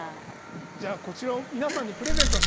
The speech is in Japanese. じゃあこちらを皆さんにプレゼントしたいと思います。